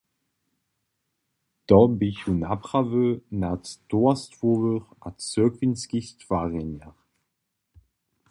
To běchu naprawy nach towarstwowych a cyrkwinskich twarjenjach.